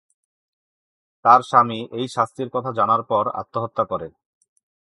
তার স্বামী এই শাস্তির কথা জানার পর আত্মহত্যা করে।